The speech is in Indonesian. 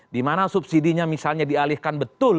dimana subsidi nya misalnya dialihkan betul